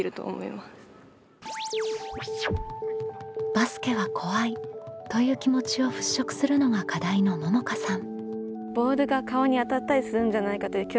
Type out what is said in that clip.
「バスケは怖い」という気持ちを払拭するのが課題のももかさん。